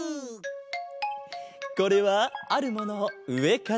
これはあるものをうえからみたかげだ。